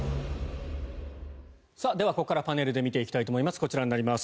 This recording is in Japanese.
ではここからパネルで見ていきたいと思います。